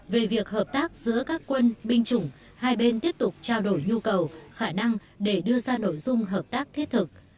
về việc hợp tác giữa các quân binh chủng hai bên tiếp tục trao đổi nhu cầu khả năng để đưa ra nội dung hợp tác thiết thực